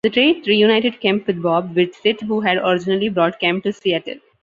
The trade reunited Kemp with Bob Whitsitt, who had originally brought Kemp to Seattle.